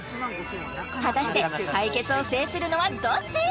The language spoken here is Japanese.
果たして対決を制するのはどっち？